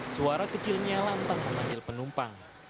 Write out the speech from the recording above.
suara kecilnya lantang memanggil penumpang